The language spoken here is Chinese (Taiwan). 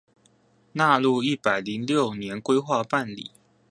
納入一百零六年規劃辦理